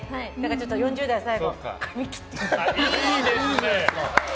４０代の最後に髪切って。